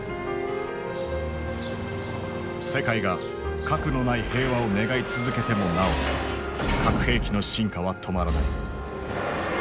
世界が核のない平和を願い続けてもなお核兵器の進化は止まらない。